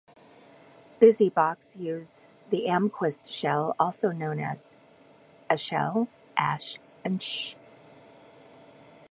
BusyBox uses the Almquist shell, also known as A Shell, ash and sh.